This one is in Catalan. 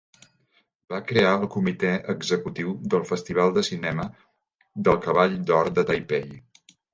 Va crear el Comitè Executiu del Festival de Cinema del Cavall d'Or de Taipei.